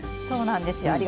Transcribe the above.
そうなんですよ。